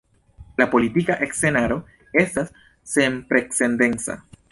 La politika scenaro estas senprecedenca.